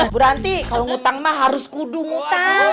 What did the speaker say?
bu lanti kalo ngutang mah harus kudu ngutang